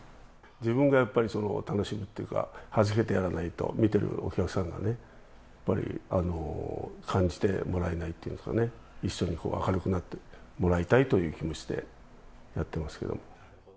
自分がやっぱり楽しむっていうか、はじけてやらないと、見てるお客さんがね、やっぱり感じてもらえないっていうかね、一緒に明るくなってもらいたいという気持ちでやってますけども。